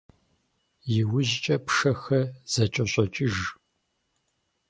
ИужькӀэ пшэхэр зэкӀэщӀокӀыж.